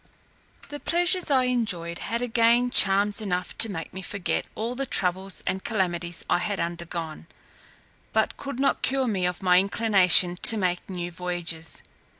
The pleasures I enjoyed had again charms enough to make me forget all the troubles and calamities I had undergone, but could not cure me of my inclination to make new voyages.